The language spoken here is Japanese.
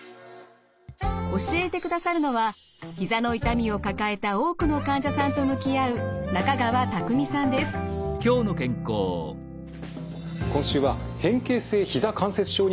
教えてくださるのはひざの痛みを抱えた多くの患者さんと向き合う今週は変形性ひざ関節症についてお伝えしています。